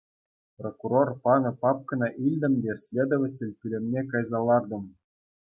Прокурор панӑ папкӑна илтӗм те следователь пӳлӗмне кайса лартӑм.